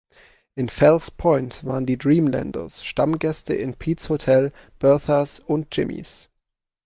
In Fells Point waren die Dreamlanders Stammgäste in Pete's Hotel, Bertha's und Jimmy's.